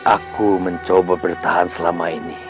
aku mencoba bertahan selama ini